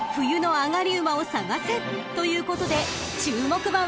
［ということで注目馬は］